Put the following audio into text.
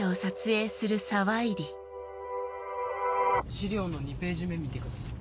資料の２ページ目見てください。